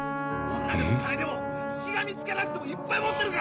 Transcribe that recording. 女でも金でもしがみつかなくてもいっぱい持ってるからな！